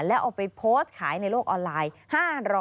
แล้วเอาไปโพสต์ขายในโลกออนไลน์